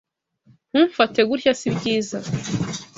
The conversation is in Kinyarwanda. Ntumfate gutya sibyiza.